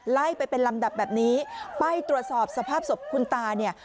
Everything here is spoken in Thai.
ไล่ไปเป็นลำดับแบบนี้ไปตรวจสอบสภาพศพคุณตาเนี่ย